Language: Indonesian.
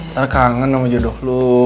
karena kangen sama jodoh lo